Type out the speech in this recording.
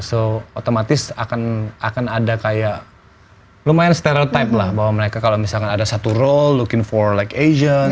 so otomatis akan ada kayak lumayan stereotype lah bahwa mereka kalau misalkan ada satu role looking for like asian